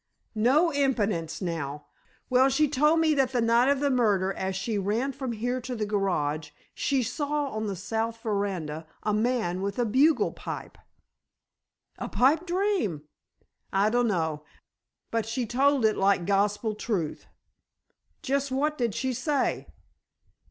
"No impidence now. Well, she told me that the night of the murder, as she ran from here to the garage, she saw on the south veranda a man with a bugle pipe!" "A pipe dream!" "I dunno. But she told it like gospel truth." "Just what did she say?"